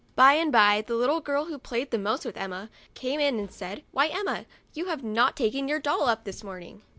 By and by the little girl who played the most with Emma came in and said, "Why, Emma, you have not taken your doll up this morning."